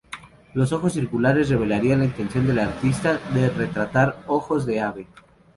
Los ojos circulares revelarían la intención del artista de retratar ojos de ave.